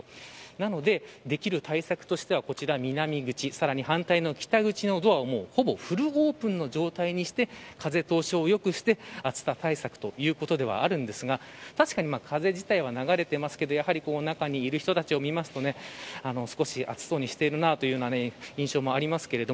なので、できる対策としては南口、さらに反対の北口ドアをフルオープンの状態にして風通しを良くして暑さ対策ということではあるんですが確かに風自体は流れていますが中にいる人たちを見ますと少し暑そうにしているなという印象もあります。